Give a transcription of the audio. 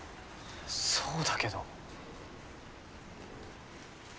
そうだけど。